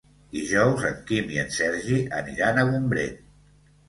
Dijous en Quim i en Sergi aniran a Gombrèn.